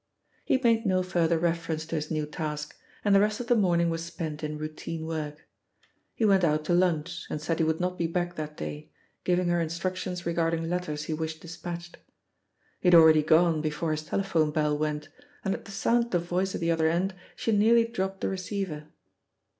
He made no further reference to his new task, and the rest of the morning was spent in routine work. He went out to lunch and said he would not be back that day, giving her instructions regarding letters he wished despatched. He had hardly gone before his telephone bell went, and at the sound of the voice at the other end, she nearly dropped the receiver.